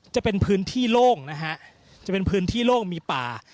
จะเป็นพื้นที่โล่งนะฮะจะเป็นพื้นที่โล่งมีป่า